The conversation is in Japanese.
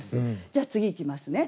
じゃあ次いきますね。